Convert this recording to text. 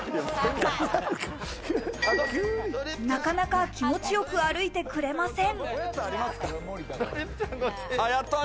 なかなか気持ちよく歩いてくれません。